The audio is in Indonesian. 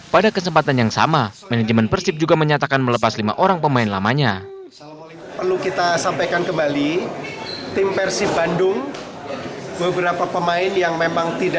pada kesempatan yang sama manajemen persib juga menyatakan melepas lima orang pemain lamanya